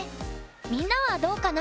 みんなはどうかな？